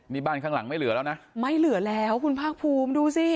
นี่บ้านข้างหลังไม่เหลือแล้วนะไม่เหลือแล้วคุณภาคภูมิดูสิ